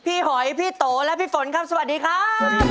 หอยพี่โตและพี่ฝนครับสวัสดีครับ